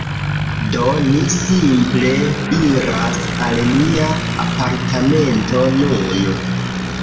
Do, ni simple iras al mia apartamento nun